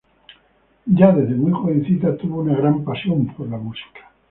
Ya desde muy jovencita tuvo una gran pasión por la música.